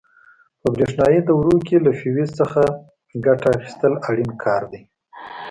په برېښنایي دورو کې له فیوز څخه ګټه اخیستل اړین کار دی.